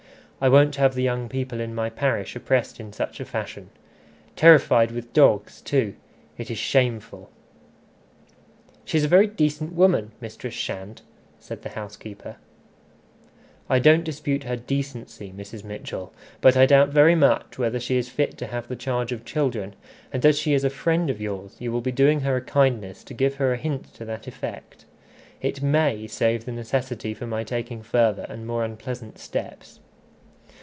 I won't have the young people in my parish oppressed in such a fashion. Terrified with dogs too! It is shameful." "She's a very decent woman, Mistress Shand," said the housekeeper. "I don't dispute her decency, Mrs. Mitchell; but I doubt very much whether she is fit to have the charge of children; and as she is a friend of yours, you will be doing her a kindness to give her a hint to that effect. It may save the necessity for my taking further and more unpleasant steps."